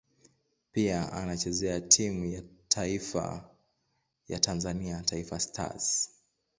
Pia anachezea timu ya taifa ya Tanzania Taifa Stars.